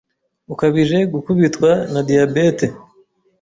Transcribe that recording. Ukabije gukubitwa na diyabete